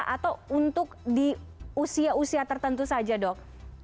atau untuk di usia usia tertentu saja dok